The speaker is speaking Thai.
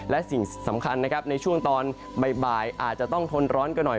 และสิ่งสำคัญนะครับในช่วงตอนบ่ายอาจจะต้องทนร้อนกันหน่อย